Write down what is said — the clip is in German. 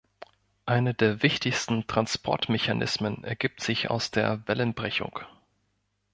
Einer der wichtigsten Transportmechanismen ergibt sich aus der Wellenbrechung.